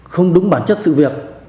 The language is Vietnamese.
không đúng bản chất sự việc